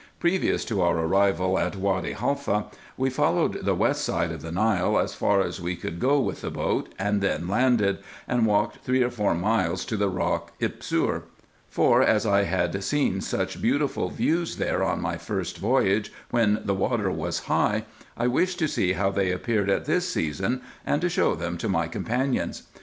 Previous to our arrival at Wady Haifa we d d 2 204 RESEARCHES AND OPERATIONS followed the west side of the Nile, as far as we could go with the boat, and then landed, and walked three or four miles to the Kock Upsir ; for as I had seen such beautiful views there on my first voyage, when the water was high, I wished to see how they appeared at this season and to show them to my companions.